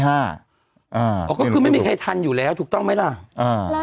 ก็คือไม่มีใครทันอยู่แล้วถูกต้องไหมล่ะ